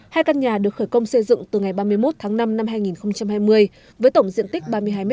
hai căn nhà được khởi công xây dựng từ ngày ba mươi một tháng năm năm hai nghìn hai mươi với tổng diện tích ba mươi hai m hai